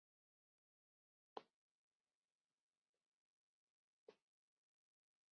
— Фронтышто те коктынат талын кредалында.